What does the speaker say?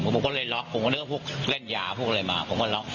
ผมก็เลยล็อกผมก็นึกว่าพวกเล่นยาพวกอะไรมาผมก็ล็อก